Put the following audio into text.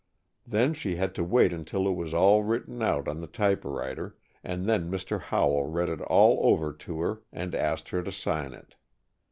Then she had to wait until it was all written out on the typewriter, and then Mr. Howell read it all over to her and asked her to sign it.